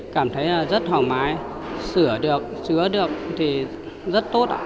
cảm thấy rất hào mái sửa được chứa được thì rất tốt